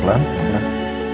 selalu disini sayang